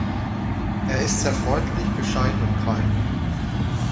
Er ist sehr freundlich, bescheiden und prahlt nie.